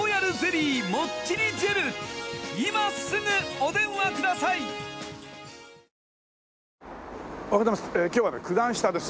おはようございます。